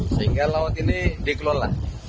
sehingga laut ini dikelola